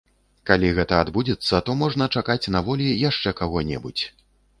Калі гэта адбудзецца, то можна чакаць на волі яшчэ каго-небудзь.